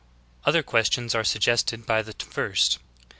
Other questions are suggested by the first.